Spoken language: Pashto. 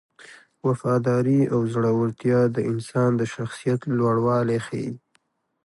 وفاداري او زړورتیا د انسان د شخصیت لوړوالی ښيي.